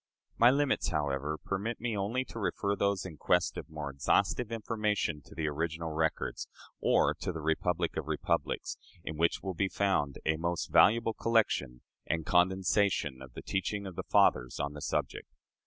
My limits, however, permit me only to refer those in quest of more exhaustive information to the original records, or to the "Republic of Republics," in which will be found a most valuable collection and condensation of the teaching of the fathers on the subject.